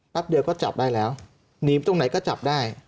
เดียวก็จับได้แล้วหนีตรงไหนก็จับได้